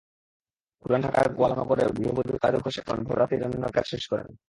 পুরান ঢাকার গোয়ালনগরে গৃহবধূ কাজল ঘোষ এখন ভোররাতেই রান্নার কাজ শেষ করেন।